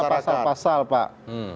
kita baca pasal pasal pak